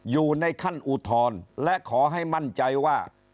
อยู่ในขั้นอุทธรณ์และขอให้มั่นใจว่า